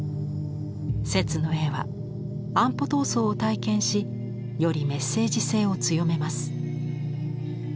摂の絵は安保闘争を体験しよりメッセージ性を強めます。